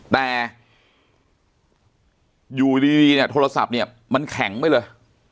แต่อยู่ดีเนี่ยโทรศัพท์เนี่ยมันแข็งไปเลย